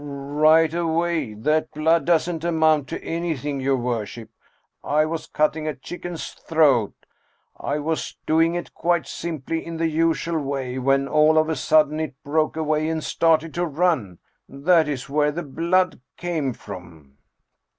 " Right away ! That blood doesn't amount to anything, your worship ! I was cutting a chicken's throat. I was doing it quite simply, in the usual way, when all of a sudden it broke away and started to run. That is where the blood came from."